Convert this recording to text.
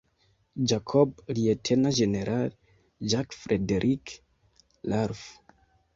Jacob, Lt. Gen. Jack Frederick Ralph.